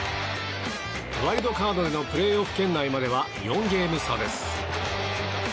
ワイルドカードでのプレーオフ圏内までは４ゲーム差です。